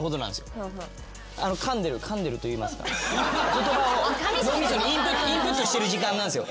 言葉を脳みそにインプットしてる時間なんすよ。